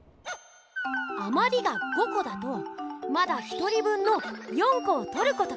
あまりが５こだとまだ１人分の４こをとることができる！